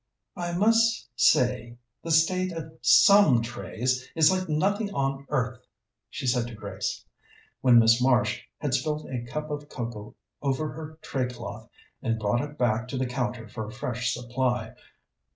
"I must say the state of some trays is like nothing on earth!" she said to Grace, when Miss Marsh had spilt a cup of cocoa over her tray cloth and brought it back to the counter for a fresh supply.